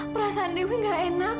perasaan dewi gak enak